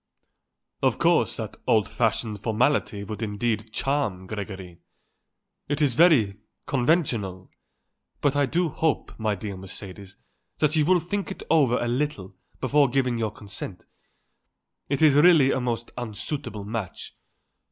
"Of course that old fashioned formality would in itself charm Gregory. He is very conventional. But I do hope, my dear Mercedes, that you will think it over a little before giving your consent. It is really a most unsuitable match.